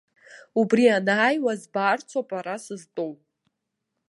Убри анааиуа збарцоуп ара сызтәоу.